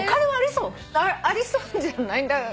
ありそうじゃない？